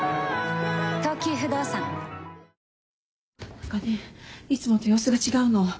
何かねいつもと様子が違うの。